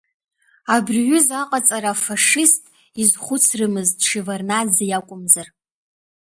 Абри аҩыза аҟаҵара афашист изхәыцрымызт Шеварднаӡе иакәмызар…